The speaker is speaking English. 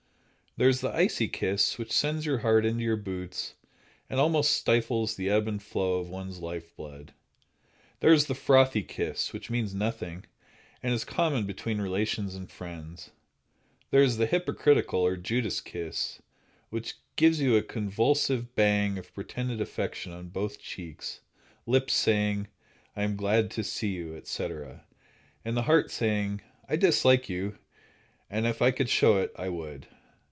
There is the icy kiss, which sends your heart into your boots and almost stifles the ebb and flow of one's life blood. There is the frothy kiss, which means nothing, and is common between relations and friends. There is the hypocritical, or Judas kiss, which gives you a convulsive bang of pretended affection on both cheeks—lips saying, "I am so glad to see you," etc., and the heart saying, "I dislike you, and if I could show it, I would."